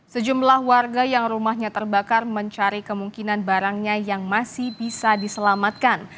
sejumlah warga yang rumahnya terbakar mencari kemungkinan barangnya yang masih bisa diselamatkan